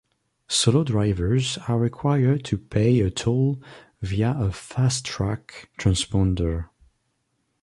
Solo drivers are required to pay a toll via a FasTrak transponder.